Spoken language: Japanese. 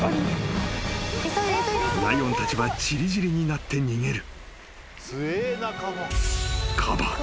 ［ライオンたちは散り散りになって逃げる］